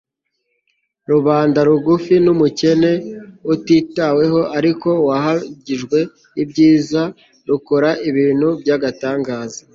rubanda rugufi n'umukene, utitaweho ariko wahagijwe ibyiza n'ukora ibintu by'agatangaza